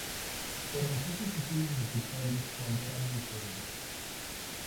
Comenzó sus estudios musicales cuando era muy joven.